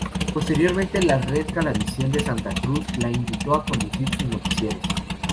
Posteriormente la red Galavisión de Santa Cruz la invitó a conducir sus noticieros.